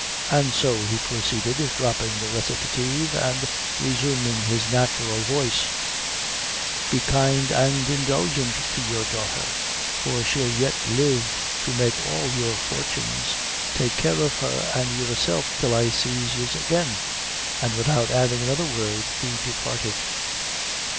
"And so," he proceeded, dropping the recitative, and resuming his natural voice "Be kind and indulgent to your daughter, for she'll yet live to make all your fortunes. Take care of her and yourself till I sees yez again." And without adding another word he departed.